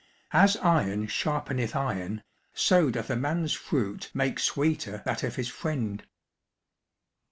As iron sharpeneth iron, so doth a man's fruit make sweeter that of his friend.